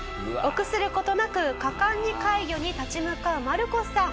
臆する事なく果敢に怪魚に立ち向かうマルコスさん。